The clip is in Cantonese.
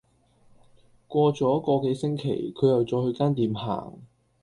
過左個幾星期，佢又再去間店行